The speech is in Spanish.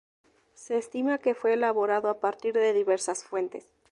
Se estima que fue elaborado a partir de diversas fuentes.